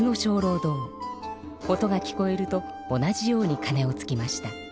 音が聞こえると同じようにかねをつきました。